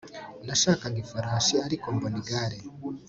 Nashakaga ifarashi ariko mbona igare